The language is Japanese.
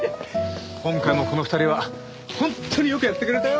今回もこの２人は本当によくやってくれたよ。